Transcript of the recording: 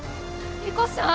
理子さん！